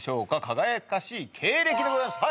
輝かしい経歴でございます